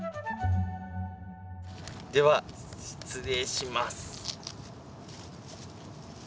では失礼します。